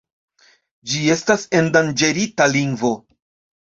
Ĝi estas endanĝerita lingvo.